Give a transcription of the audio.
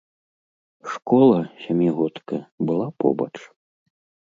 Школа, сямігодка, была побач.